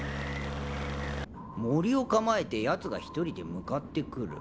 もりを構えてやつが一人で向かってくる。